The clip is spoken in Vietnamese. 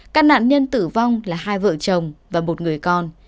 các nạn nhân tử vong là hai vợ chồng và một người con